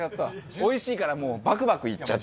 おいしいからもうバクバクいっちゃって。